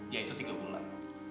yaitu tiga bulan